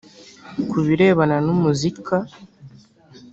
Ku birebana n umuzika